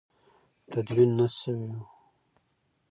تدوین نه شوي وو.